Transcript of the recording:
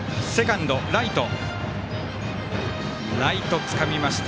ライトつかみました。